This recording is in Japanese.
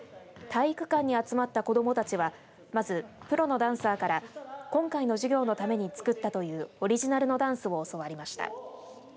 体育館に集まった子どもたちはまず、プロのダンサーから今回の授業のために作ったというオリジナルのダンスを教わりました。